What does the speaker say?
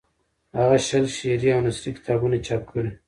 هغه شل شعري او نثري کتابونه چاپ کړي.